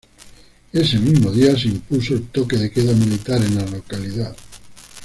Ese mismo día se impuso el toque de queda militar en la localidad.